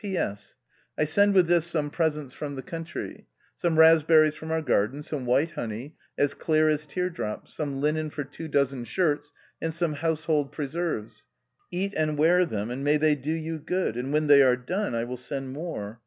P.S. — I send with this some presents from the country — some raspberries from our garden, some white honey, as clear as teardrops, some linen for two dozen shirts and some household preserves. Eat and wear them, and may they do you good, and when they are done, I will send more.